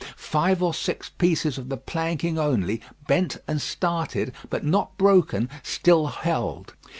Five or six pieces of the planking only, bent and started, but not broken, still held.